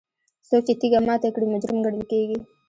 څوک چې تیږه ماته کړي مجرم ګڼل کیږي.